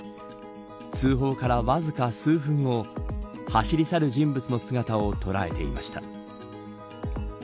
通報からわずか数分後走り去る人物の姿を捉えていました。